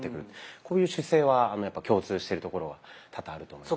こういう姿勢はやっぱ共通してるところは多々あると思います。